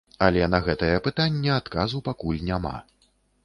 Але на гэтае пытанне адказу пакуль няма.